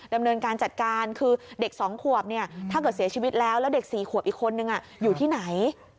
ดำเนินการจัดการคือเด็ก๒ขวบเนี่ยถ้าเกิดเสียชีวิตแล้วแล้วเด็ก๔ขวบอีกคนนึงอยู่ที่ไหน